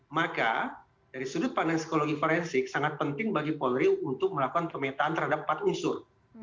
maka dari sudut pandang psikologi forensik sangat penting bagi polri untuk melakukan pemetaan terhadap empat unsur